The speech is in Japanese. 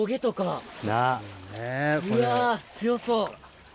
うわ強そう。